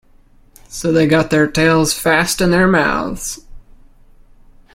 So they got their tails fast in their mouths.